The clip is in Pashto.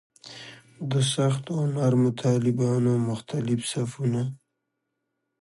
د سختو او نرمو طالبانو مختلف صفونه.